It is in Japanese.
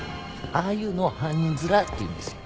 ああいうのを犯人面って言うんですよ。